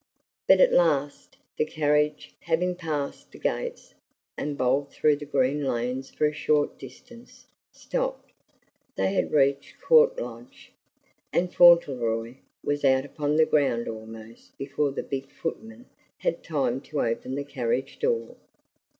But at last the carriage, having passed the gates and bowled through the green lanes for a short distance, stopped. They had reached Court Lodge; and Fauntleroy was out upon the ground almost before the big footman had time to open the carriage door.